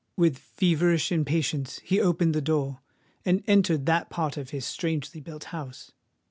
With feverish impatience he opened the door, and entered that part of his strangely built house.